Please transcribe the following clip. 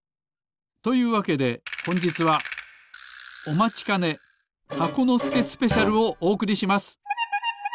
というわけでほんじつはおまちかね「箱のすけスペシャル」をおおくりします。